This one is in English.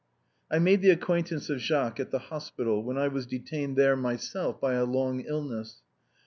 I made the acquaintance of Jacques at the hospital, where I was detained myself by a long illness.